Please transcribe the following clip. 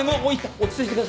落ち着いてください。